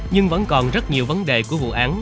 nhưng vẫn còn rất nhiều vấn đề của vụ án